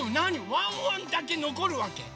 ワンワンだけのこるわけ？